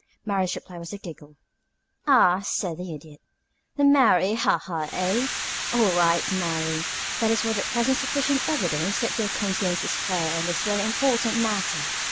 Mary's reply was a giggle. "Ah!" said the Idiot. "The merry ha ha, eh? All right, Mary. That is for the present sufficient evidence that your conscience is clear on this very important matter.